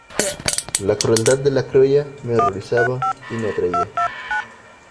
la crueldad de la criolla me horrorizaba y me atraía: